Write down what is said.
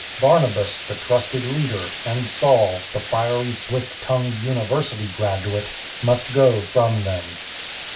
Barnabas, the trusted leader, and Saul, the fiery, swift tongued University graduate, must go from them.